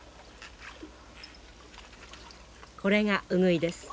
これがウグイです。